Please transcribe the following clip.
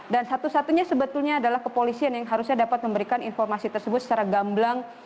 dan satu satunya sebetulnya adalah kepolisian yang harusnya dapat memberikan informasi tersebut secara gamblang